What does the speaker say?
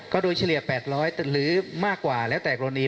โดยเฉลี่ย๘๐๐หรือมากกว่าแล้วแต่กรณี